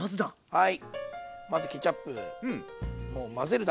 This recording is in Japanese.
はい。